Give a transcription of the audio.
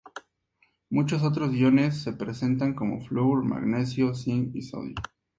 Muchos otros iones se presentan, como flúor, magnesio, cinc y sodio.